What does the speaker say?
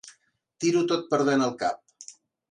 Tiro tot perdent el cap.